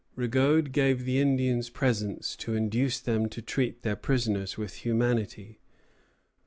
Rigaud gave the Indians presents, to induce them to treat their prisoners with humanity.